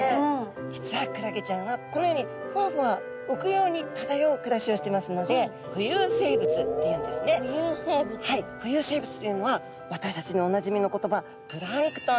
実はクラゲちゃんはこのようにふわふわ浮くように漂う暮らしをしてますので浮遊生物というのは私たちにおなじみの言葉プランクトンなんですね。